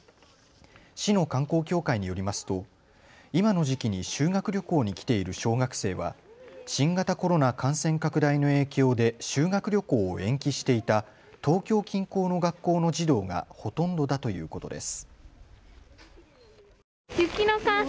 市の観光協会によりますと今の時期に修学旅行に来ている小学生は新型コロナ感染拡大の影響で修学旅行を延期していた東京近郊の学校の児童がほとんどだということです。